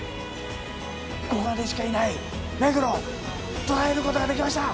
ここでしかいないメグロ捉えることができました！